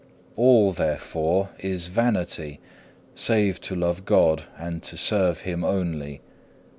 All therefore is vanity, save to love God and to serve Him only.